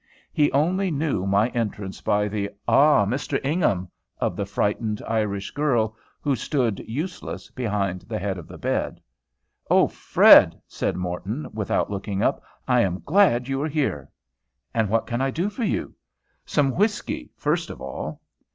He only knew my entrance by the "Ah, Mr. Ingham," of the frightened Irish girl, who stood useless behind the head of the bed. "O Fred," said Morton, without looking up, "I am glad you are here." "And what can I do for you?" "Some whiskey, first of all."